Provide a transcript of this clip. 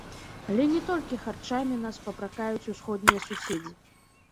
Але не толькі харчамі нас папракаюць усходнія суседзі.